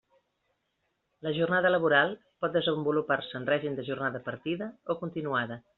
La jornada laboral pot desenvolupar-se en règim de jornada partida o continuada.